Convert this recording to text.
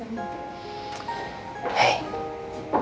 udah boleh pulang